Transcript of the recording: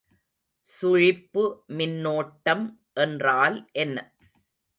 சுழிப்பு மின்னோட்டம் என்றால் என்ன?